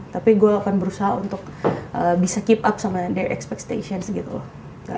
tapi gue akan berusaha untuk bisa keep up sama the expectations gitu loh